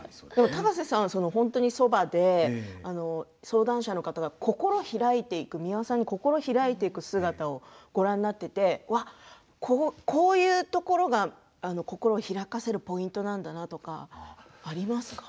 高瀬さんは本当にそばで相談者の方が心を開いていく美輪さんに心を開いていく姿をご覧になっていてこういうところが心を開かせるポイントなんだなとかありますか。